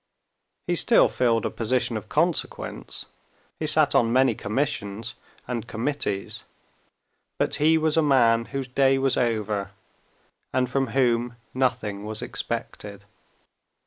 He still filled a position of consequence, he sat on many commissions and committees, but he was a man whose day was over, and from whom nothing was expected.